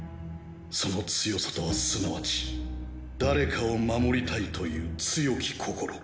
その強さとはすなわち誰かを守りたいという強き心。